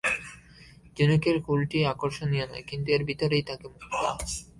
ঝিনুকের খোলটি আকর্ষণীয় নয়, কিন্তু এর ভিতরেই থাকে মুক্তা।